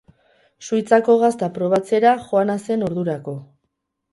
Suitzako gazta probatzera joana zen ordurako.